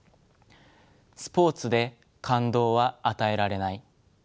「スポーツで感動は与えられない」。